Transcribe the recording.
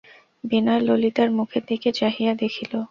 বিনয় ললিতার মুখের দিকে চাহিয়া দেখিল।